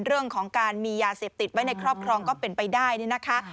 เรื่องของการมียาเสพติดไว้ในครอบครองก็เป็นไปได้เนี่ยนะคะ